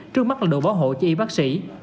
trước mắt là đồ bảo hộ cho y bác sĩ